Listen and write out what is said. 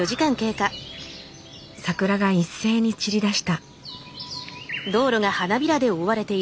桜が一斉に散りだした。